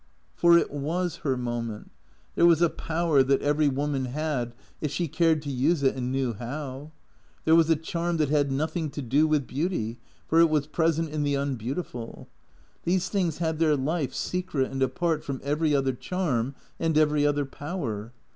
For it was her moment. There was a power that every woman had, if she cared to use it and knew how. There was a charm that had nothing to do with beauty, for it was present in the unbeautiful. These things had their life secret and apart from every other charm and every other power.